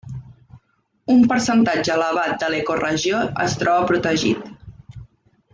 Un percentatge elevat de l'ecoregió es troba protegit.